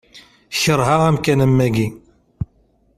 Keṛheɣ amkan am wagi.